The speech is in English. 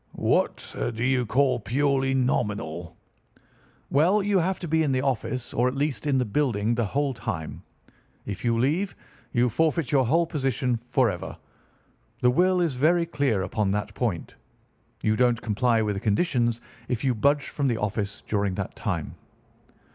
"'What do you call purely nominal?' "'Well, you have to be in the office, or at least in the building, the whole time. If you leave, you forfeit your whole position forever. The will is very clear upon that point. You don't comply with the conditions if you budge from the office during that time.